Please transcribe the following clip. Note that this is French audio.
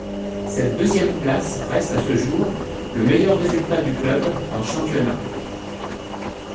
Cette deuxième place reste à ce jour le meilleur résultat du club en championnat.